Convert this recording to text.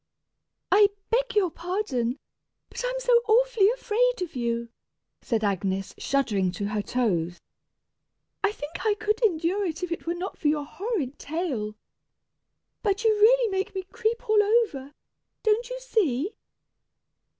"I beg your pardon, but I'm so awfully afraid of you," said Agnes, shuddering to her toes. "I think I could endure you if it were not for your horrid tail! But you really make me creep all over, don't you see?"